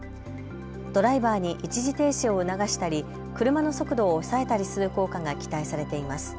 ドライバーに一時停止を促したり車の速度を抑えたりする効果が期待されています。